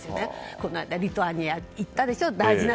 この間リトアニアに行ったでしょ。